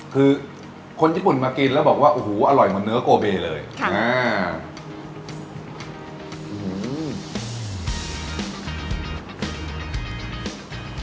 คือคนญี่ปุ่นมากินแล้วบอกว่าโอ้โหอร่อยเหมือนเนื้อโกเบเลยค่ะอ่า